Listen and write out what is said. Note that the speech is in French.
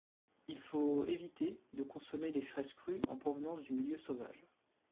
Il faut éviter de consommer les fraises crues en provenance du milieu sauvage.